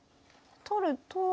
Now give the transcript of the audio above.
取ると。